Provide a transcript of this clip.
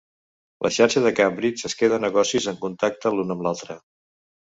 La Xarxa de Cambridge es queda negocis en contacte l'un amb l'altre.